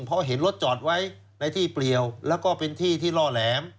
เพราะเห็นรถจอดไว้ในที่เปลี่ยวแล้วก็เป็นที่ที่ล่อแหลม